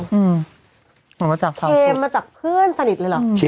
หรออืมเหมือนมาจากเคมมาจากเพื่อนสนิทเลยเหรอ